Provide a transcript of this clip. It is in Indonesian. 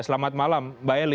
selamat malam mbak eli